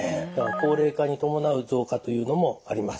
高齢化に伴う増加というのもあります。